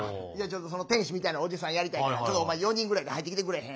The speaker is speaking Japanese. その天使みたいなおじさんやりたいからお前４人ぐらいで入ってきてくれへん？